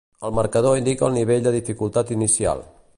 El marcador indica el nivell de dificultat inicial.